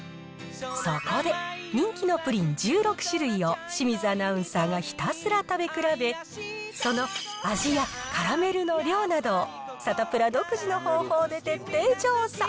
そこで、人気のプリン１６種類を清水アナウンサーがひたすら食べ比べ、その味やカラメルの量などをサタプラ独自の方法で徹底調査。